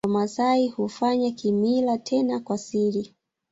Wamasai hufanya kimila tena kwa siri